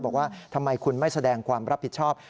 บอกว่าทำไมคุณไม่แสดงความรับผิดชอบ